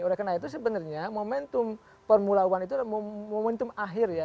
oleh karena itu sebenarnya momentum formula one itu momentum akhir ya